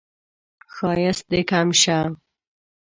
ښایست دې کم شه